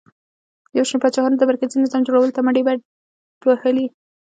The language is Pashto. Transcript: یو شمېر پاچاهانو د مرکزي نظام جوړولو ته مټې بډ وهلې